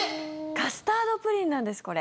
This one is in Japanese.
カスタードプリンなんですこれ。